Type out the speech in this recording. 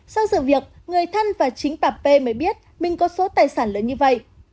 sau sự việc người thân và chính bà p mới biết mình có số tài sản lớn như vậy